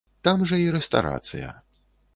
Там жа і рэстарацыя.